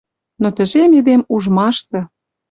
Но тӹжем эдем ужмашты